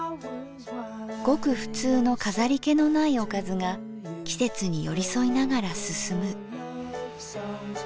ごく普通の飾り気のないおかずが季節に寄り添いながら進む。